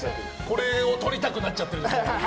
これを取りたくなっちゃってる。